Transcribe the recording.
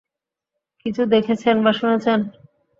কিছু দেখেছেন বা শুনেছেন?